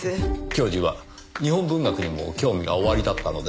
教授は日本文学にも興味がおありだったのですか？